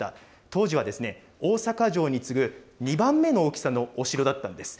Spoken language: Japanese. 当時は大阪城に次ぐ２番目の大きさのお城だったんです。